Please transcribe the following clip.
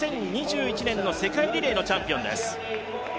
２０２１年の世界リレーのチャンピオンです。